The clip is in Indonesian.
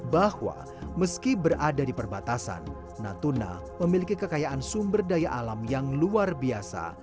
bahwa meski berada di perbatasan natuna memiliki kekayaan sumber daya alam yang luar biasa